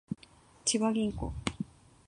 千葉銀行